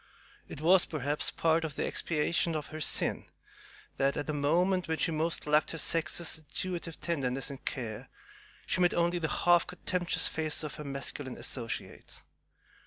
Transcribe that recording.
It was, perhaps, part of the expiation of her sin that, at a moment when she most lacked her sex's intuitive tenderness and care, she met only the half contemptuous faces of her masculine associates.